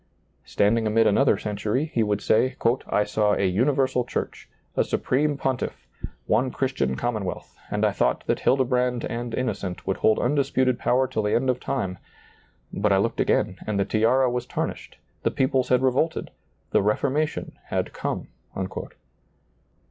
Standing amid another century, he would say, " I saw a universal church, a supreme pontiff, one Christian commonwealth, and I thought that Hildebrand and Innocent would hold undisputed power till the end of time ; but I looked again, and the tiara was tarnished, the peoples had revolted, the Reformation had come."